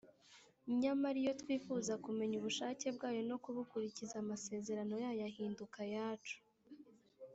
nyamara iyo twifuza kumenya ubushake bwayo no kubukurikiza, amasezerano yayo ahinduka ayacu: